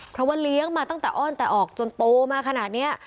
เพราะว่าเลี้ยงมาตั้งแต่อ้อนแต่ออกจนโตมาขนาดนี้